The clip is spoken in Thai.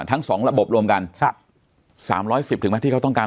ทั้งสองระบบรวมกันครับสามร้อยสิบถึงแม่งที่เขาต้องการ